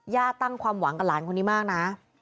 ตั้งความหวังกับหลานคนนี้มากนะ